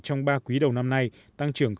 trong ba quý đầu năm nay tăng trưởng bảy